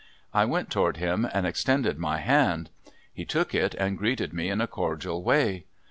I went toward him and extended my hand. He took it and greeted me in a cordial way.